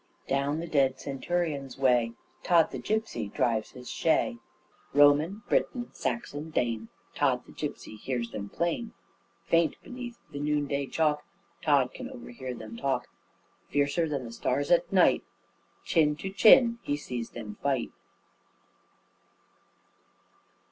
Down the dead centurions' way, Tod the Gipsy drives his shay. Roman, Briton, Saxon, Dane, Tod the Gipsy hears them plain. Faint beneath the noonday chalk, Tod can overhear them talk. Fiercer than the stars at night, Chin to chin, he sees them fight.